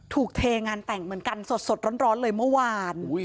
เทงานแต่งเหมือนกันสดร้อนเลยเมื่อวาน